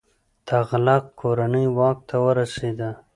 تغلق کورنۍ واک ته ورسیده.